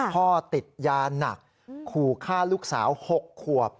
พ่อติดยาหนักขู่ฆ่าลูกสาว๖ขวบ